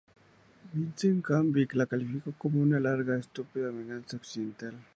Vincent Canby la calificó como "una... larga, estúpida venganza occidental...".